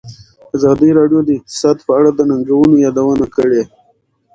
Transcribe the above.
ازادي راډیو د اقتصاد په اړه د ننګونو یادونه کړې.